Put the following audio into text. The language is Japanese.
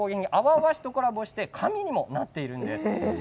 和紙とコラボして紙にもなっているんです。